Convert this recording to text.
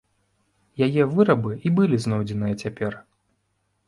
Яе вырабы і былі знойдзеныя цяпер.